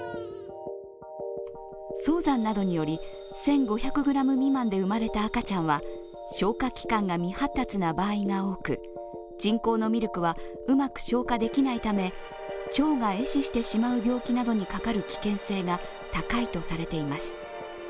早産などにより１５００ｇ未満で生まれた赤ちゃんは消化器官が未発達な場合が多く人工のミルクはうまく消化できないため腸がえ死してしまう病気などにかかる危険性が高いとされています。